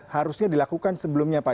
harusnya dilakukan sebelumnya pak